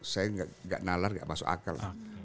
saya enggak nalar enggak masuk akal